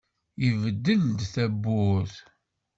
Ibeddel-d tawwurt.